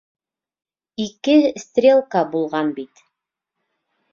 Ике стрелка булған бит!